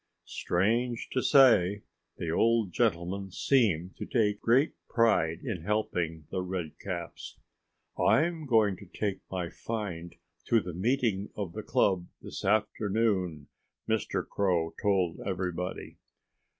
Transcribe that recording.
Strange to say, the old gentleman seemed to take great pride in helping The Redcaps. "I'm going to take my find to the meeting of the club this afternoon," Mr. Crow told everybody.